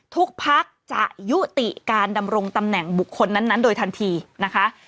ภักดิ์จะยุติการดำรงตำแหน่งบุคคลนั้นโดยทันทีนะคะ